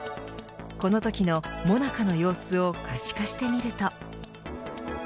このときのＭＯＮＡＣＡの様子を可視化してみると。